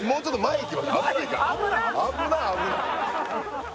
危ない危ない